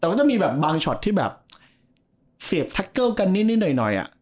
แต่ก็จะมีแบบบางช็อตที่แบบเสียบทักเกิลกันนิดหน่อย